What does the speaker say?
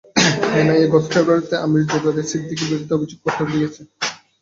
NIA গত ফেব্রুয়ারিতে আমির জুবায়ের সিদ্দিকীর বিরুদ্ধে অভিযোগপত্র দিয়েছে।